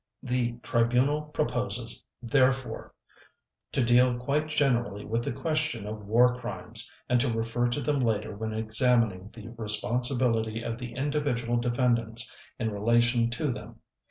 The Tribunal proposes, therefore, to deal quite generally with the question of War Crimes, and to refer to them later when examining the responsibility of the individual defendants in relation to them.